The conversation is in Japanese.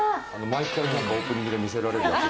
毎回オープニングで見せられるやつ。